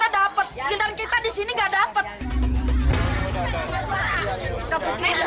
sedangkan warga yang lain kesana dapat dan kita disini nggak dapat